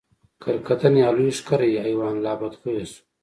کرکدن یا لوی ښکری حیوان لا بدخویه شو.